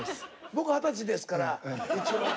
僕二十歳ですから一応。